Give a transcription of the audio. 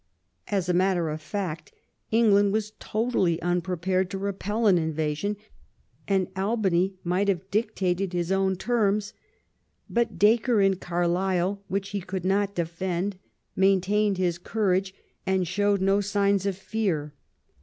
As a matter of fact^ England was totally unprepared to repel an invasion, and Albany might have dictated his own terms. But Dacre, in Carlisle, which he could not de fend, maintained his courage, and showed no signs of fear.